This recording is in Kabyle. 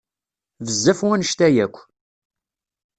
Bezzaf wanect-a akk.